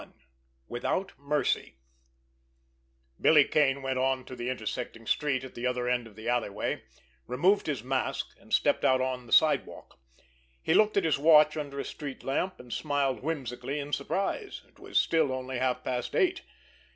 XXI—WITHOUT MERCY Billy Kane went on to the intersecting street at the other end of the alleyway, removed his mask, and stepped out on the sidewalk. He looked at his watch under a street lamp, and smiled whimsically in surprise. It was still only half past eight.